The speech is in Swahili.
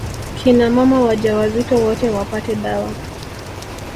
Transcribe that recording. Kina mama wajawazito wote wapate dawa